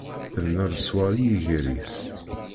Tebna leṣwaṛ i yiger-is.